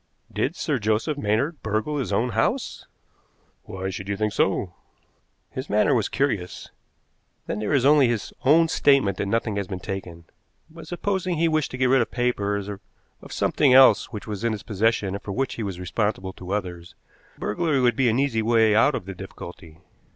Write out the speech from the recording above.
"Did Sir Joseph Maynard burgle his own house?" "Why should you think so?" "His manner was curious. Then there is only his own statement that nothing has been taken. But supposing he wished to get rid of papers, or of something else which was in his possession and for which he was responsible to others, a burglary would be an easy way out of the difficulty."